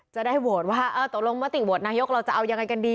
จะได้โหวตว่าตกลงมติโหวตนายกเราจะเอายังไงกันดี